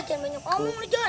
jangan banyak omong lu jon